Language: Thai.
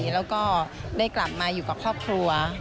แล้วก็ได้กลับมาอยู่กับครอบครัว